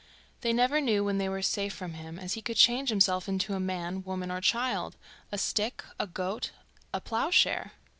They never knew when they were safe from him, as he could change himself into a man, woman or child, a stick, a goat, a ploughshare.